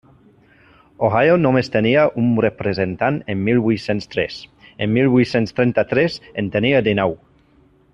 Ohio només tenia un representant en mil vuit-cents tres; en mil vuit-cents trenta-tres en tenia dinou.